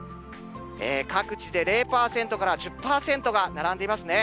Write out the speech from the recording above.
各地で０％から１０％が並んでいますね。